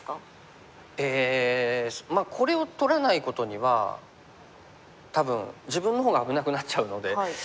ええこれを取らないことには多分自分の方が危なくなっちゃうので。